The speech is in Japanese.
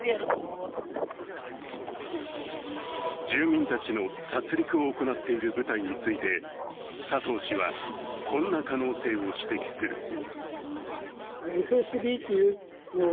住民たちの殺りくを行っている部隊について佐藤氏はこんな可能性を指摘する。